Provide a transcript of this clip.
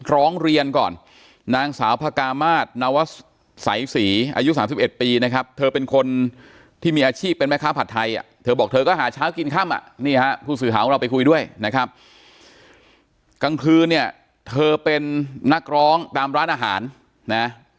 ร้องเรียนก่อนนางสาวพระกามารนวัสไสศรีอายุ๓๑ปีนะครับเธอ